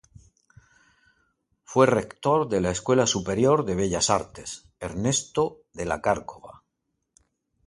Fue Rector de la Escuela Superior de Bellas Artes, Ernesto de la Cárcova.